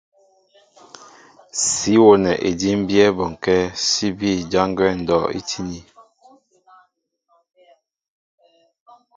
Sí wónɛ edímbyɛ́ bɔŋkɛ́ sí bîy jǎn gwɛ́ ndɔ' í tíní.